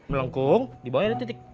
melengkung di bawahnya ada titik